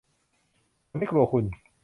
ฉันไม่กลัวคุณ